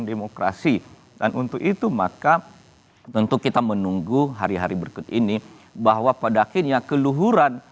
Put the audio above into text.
demokrasi dan untuk itu maka tentu kita menunggu hari hari berikut ini bahwa pada akhirnya keluhuran